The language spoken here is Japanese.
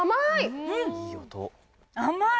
甘い！